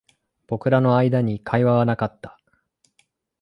僕らの間に会話はなかった